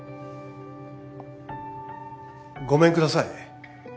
ごめんください。